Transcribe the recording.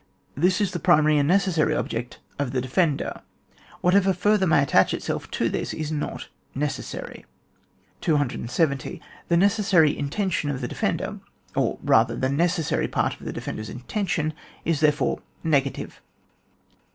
This is the primary and necessary object of the defender ; whatever further may attach itself to this is not necessary. 270. The necessary intention of the defender, or rather the necessary part of the defender's intention, is therefore negative.